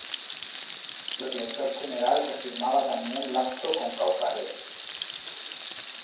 Lo director cheneral refirmaba tamién l'acto con caucarré.